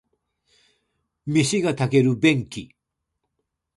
飯が炊ける便器